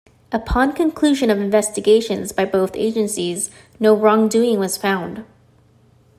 Upon conclusion of investigations by both agencies, no wrongdoing was found.